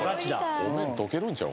「お面溶けるんちゃう？」